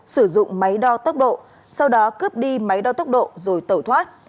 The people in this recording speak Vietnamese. sử dụng máy đo tốc độ sau đó cướp đi máy đo tốc độ rồi tẩu thoát